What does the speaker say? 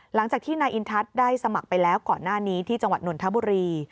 หลังจากที่นายอินทัศน์ได้สมัครไปแล้วก่อนหน้านี้ที่จังหวัดนนทบุรี